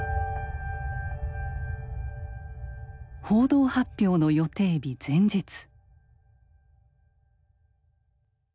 報道発表の予定日前日。